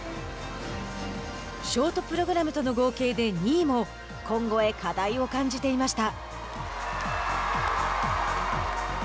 ショートプログラムとの合計で２位も今後へ課題を感じていました。